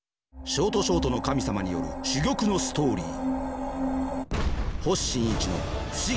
ショートショートの神様による珠玉のストーリー。